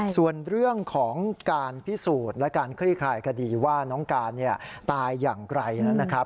ส่วนเรื่องของการพิสูจน์และการคลี่คลายคดีว่าน้องการตายอย่างไกลนะครับ